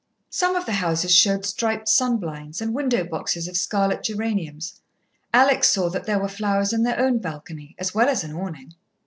Some of the houses showed striped sun blinds, and window boxes of scarlet geraniums. Alex saw that there were flowers in their own balcony as well as an awning.